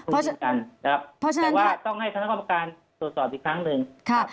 แต่ว่าต้องให้สถานกรรมการตรวจสอบอีกครั้งหนึ่ง